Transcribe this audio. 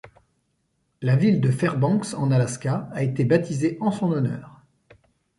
La ville de Fairbanks en Alaska a été baptisée en son honneur.